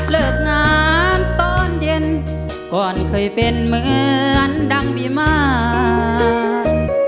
เลิกงานตอนเย็นก่อนเคยเป็นเหมือนดังมีมาตร